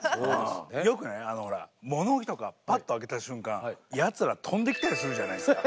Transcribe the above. よくね物置とかパッと開けた瞬間やつら跳んできたりするじゃないですか。